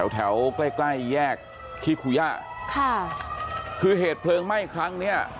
แถวใกล้ใกล้แยกขี้คูย่าค่ะคือเหตุเพลิงไหม้ครั้งเนี้ย